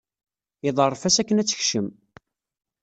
Iḍerref-as akken ad tekcem.